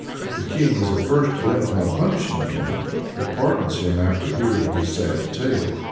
The king is at first bent upon punishing him, but pardons him after hearing his sad tale.